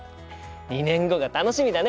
２年後が楽しみだね！